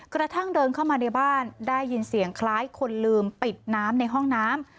กระทั่งเดินเข้ามาในบ้านได้ยินเสียงคล้ายคนลืมปิดน้ำในห้องน้ำ